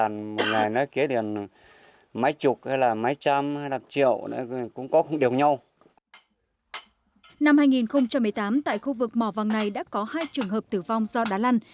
năm hai nghìn một mươi tám tại khu vực mỏ vàng này đã có hai trường hợp tử vong do đá lăn